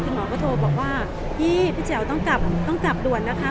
พี่หมอก็โทรบอกว่าพี่พี่เจ๋วต้องกลับด่วนนะคะ